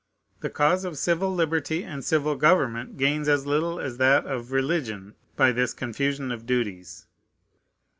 The cause of civil liberty and civil government gains as little as that of religion by this confusion of duties.